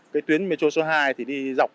cái tuyến metro số hai thì đi dọc